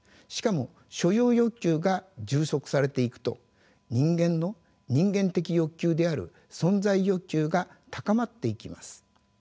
しかも所有欲求が充足されていくと人間の人間的欲求である存在欲求が高まっていきます。